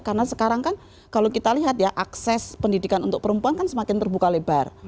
karena sekarang kan kalau kita lihat ya akses pendidikan untuk perempuan kan semakin terbuka lebar